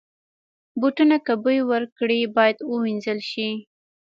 بوټونه که بوی وکړي، باید وینځل شي.